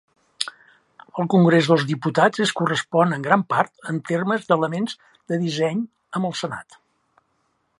El Congrés dels Diputats es correspon en gran part, en termes d'elements de disseny, amb el Senat.